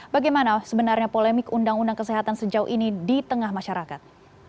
bagaimana sebenarnya polemik undang undang kesehatan sejauh ini di tengah masyarakat